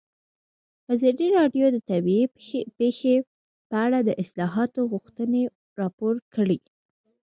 ازادي راډیو د طبیعي پېښې په اړه د اصلاحاتو غوښتنې راپور کړې.